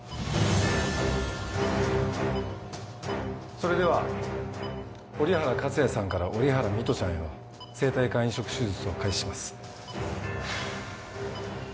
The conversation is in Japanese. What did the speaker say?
それでは折原克也さんから折原美都ちゃんへの生体肝移植手術を開始します。